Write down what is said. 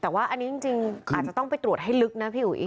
แต่ว่าอันนี้จริงอาจจะต้องไปตรวจให้ลึกนะพี่อุ๋ย